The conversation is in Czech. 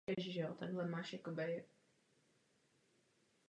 Byl však diskvalifikován.